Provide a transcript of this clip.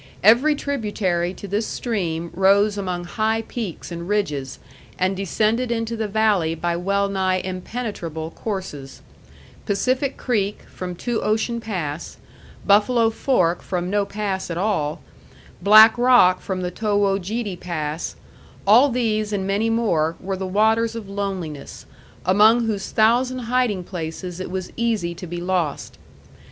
Every tributary to this stream rose among high peaks and ridges, and descended into the valley by well nigh impenetrable courses: Pacific Creek from Two Ocean Pass, Buffalo Fork from no pass at all, Black Rock from the To wo ge tee Pass all these, and many more, were the waters of loneliness, among whose thousand hiding places it was easy to be lost.